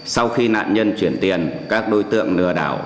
sau khi nạn nhân chuyển tiền các đối tượng lừa đảo